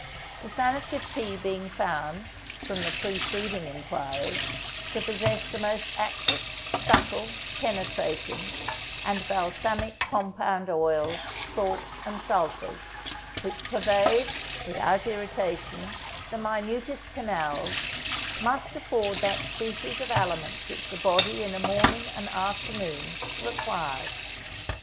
The sanative tea being found, from the preceding enquiries, to possess the most active, subtle, penetrating, and balsamic compound oils, salts, and sulphurs, which pervade, without irritation, the minutest canals, must afford that species of aliment which the body in a morning and afternoon requires.